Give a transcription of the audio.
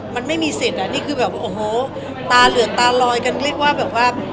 มันไม่มีสิทธิ์อ่ะนี่คือแบบโอ้โหตาเหลือตาลอยกันเรียกว่าแบบว่า